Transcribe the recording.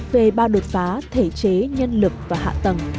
về ba đột phá thể chế nhân lực và hạ tầng